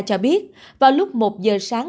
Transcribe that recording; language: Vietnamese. cho biết vào lúc một giờ sáng